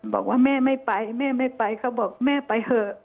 บอกว่าแม่ไม่ไปแม่ไม่ไปเขาบอกแม่ไปเถอะ